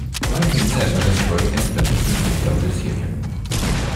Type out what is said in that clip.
Life and death eventually end the possibility of this union.